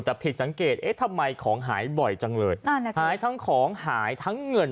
แต่ผิดสังเกตเอ๊ะทำไมของหายบ่อยจังเลยหายทั้งของหายทั้งเงิน